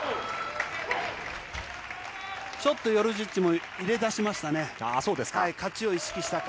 ちょっとヨルジッチも入れだそうですか。